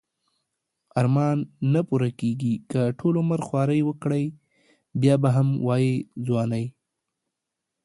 ارمان نه پوره کیږی که ټول عمر خواری وکړی بیا به هم وایی ځوانی